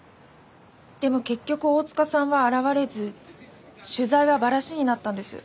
でも結局大塚さんは現れず取材はバラシになったんです。